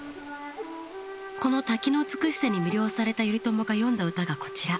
この滝の美しさに魅了された頼朝が詠んだ歌がこちら。